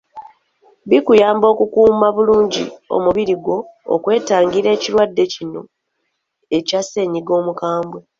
Bikuyamba okukuuma bulungi omubiri gwo okwetangira ekirwadde kino ekya ssennyiga omukambwe.